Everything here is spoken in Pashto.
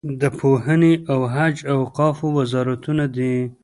د پوهنې او حج او اوقافو وزارتونه دي.